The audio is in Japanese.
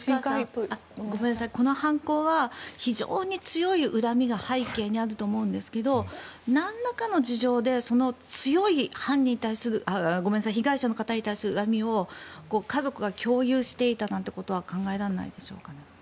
この犯行は非常に強い恨みが背景にあると思うんですけどなんらかの事情で被害者の方に対する恨みを家族が共有していたということは考えらえないでしょうか？